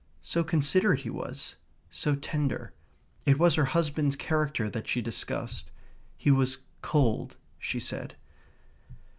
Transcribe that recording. ... so considerate he was, so tender. It was her husband's character that she discussed. He was cold, she said.